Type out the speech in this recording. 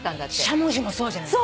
「しゃもじ」もそうじゃない？